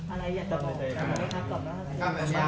อะไรอยากจะบอก